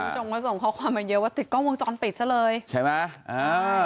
คุณผู้ชมก็ส่งข้อความมาเยอะว่าติดกล้องวงจรปิดซะเลยใช่ไหมอ่า